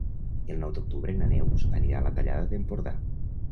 El nou d'octubre na Neus anirà a la Tallada d'Empordà.